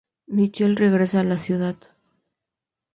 Michael regresa a la ciudad.